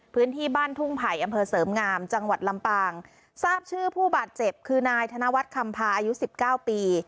พื้นที่บ้านทุ่งไผ่อำเภอเสริมงามจังหวัดลำปางทราบชื่อผู้บาดเจ็บคือนายธนวัฒน์คำพาอายุสิบเก้าปี